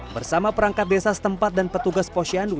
bersama perangkat desa setempat dan petugas posyandu